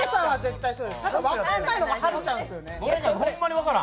分からないのははるちゃんですよね。